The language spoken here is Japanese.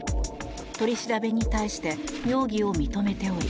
取り調べに対して容疑を認めており